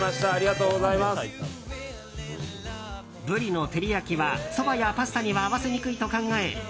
ブリの照り焼きはそばやパスタには合わせにくいと考え